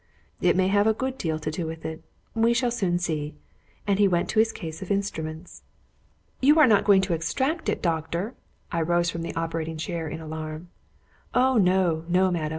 "It may have a good deal to do with it. We shall soon see." And he went to his case of instruments. "You are not going to extract it, doctor!" I rose from the operating chair in alarm. "Oh no, no, madam!